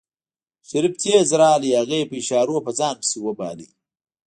شريف تېز راغی هغه يې په اشارو په ځان پسې وباله.